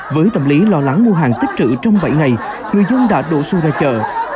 với tâm lý lo lắng mua hàng tích trữ trong bảy ngày người dân đã đổ xô ra chợ